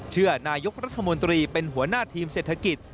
เชื่อนายกรัฐมนตรีเป็นหัวหน้าทีมเศรษฐกิจ